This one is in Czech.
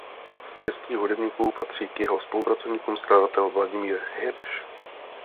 Z českých hudebníků patří k jeho spolupracovníkům skladatel Vladimír Hirsch.